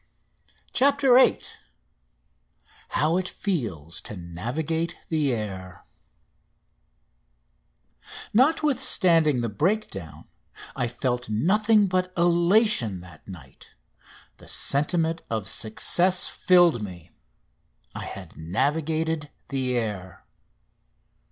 CHAPTER VIII HOW IT FEELS TO NAVIGATE THE AIR Notwithstanding the breakdown I felt nothing but elation that night. The sentiment of success filled me: I had navigated the air.